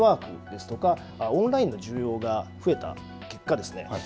テレワークですとかオンラインの需要が増えた結果ですね